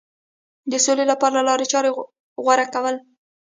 د سولې لپاره لارې چارې غوره کول.